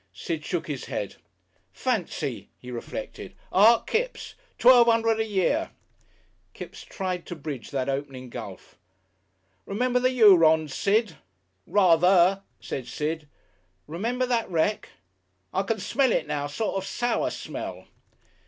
Sid shook his head. "Fancy!" he reflected, "Art Kipps!... Twelve 'Undred a Year!" Kipps tried to bridge that opening gulf. "Remember the Hurons, Sid?" "Rather," said Sid. "Remember that wreck?" "I can smell it now sort of sour smell."